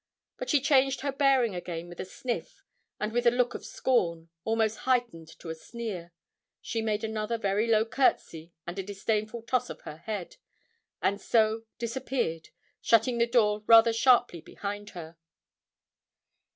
But she changed her bearing again with a sniff, and with a look of scorn, almost heightened to a sneer, she made another very low courtesy and a disdainful toss of her head, and so disappeared, shutting the door rather sharply behind her.